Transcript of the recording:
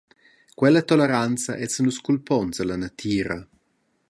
Quella toleranza essan nus culponts alla natira.